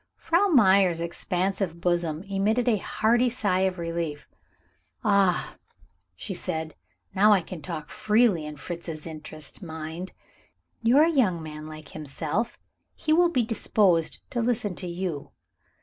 Frau Meyer's expansive bosom emitted a hearty sigh of relief. "Ah!" she said, "now I can talk freely in Fritz's interest, mind. You are a young man like himself, he will be disposed to listen to you.